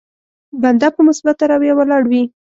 بنده په مثبته رويه ولاړ وي.